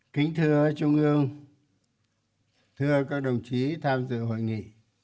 kính thưa trung ương thưa các đồng chí tham dự hội nghị